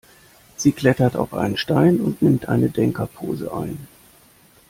Sie klettert auf einen Stein und nimmt eine Denkerpose ein.